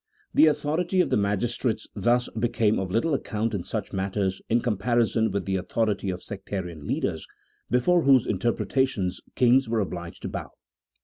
The authority of the magistrates thus became of little account in such matters in comparison with the authority of sectarian leaders before whose inter pretations kings were obliged to bow.